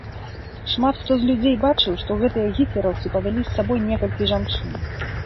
Шмат хто з людзей бачыў, што гэтыя гітлераўцы павялі з сабой некалькі жанчын.